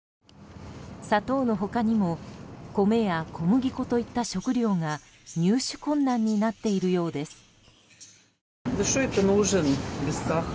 砂糖の他にも米や小麦粉といった食料が入手困難になっているようです。